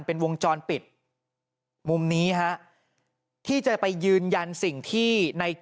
หลังจากพบศพผู้หญิงปริศนาตายตรงนี้ครับ